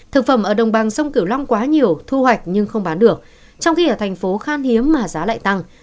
thực phẩm ở đồng bằng sông kiểu long quá nhiều thu hoạch nhưng không bán được trong khi ở thành phố khan hiếm mà giá lại tăng